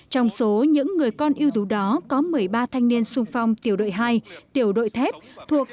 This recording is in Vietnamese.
trong số những người con yếu tố đó có một mươi ba thanh niên xung phong tiểu đội hai tiểu đội thép thuộc